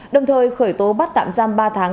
đồng thời khởi tố bắt tạm giam ba tháng